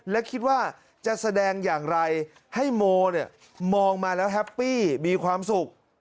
และคิดว่าจะแสดงอย่างไรให้โมเนี่ยมองมาแล้วแฮปปี้มีความสุข